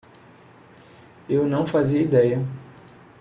Eu não fazia ideia.